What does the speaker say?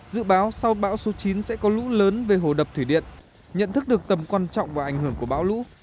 dự báo sau bão số chín sẽ có lũ lớn về hồ đập thủy điện nhận thức được tầm quan trọng và ảnh hưởng của bão lũ